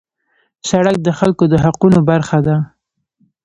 سړک د خلکو د حقونو برخه ده.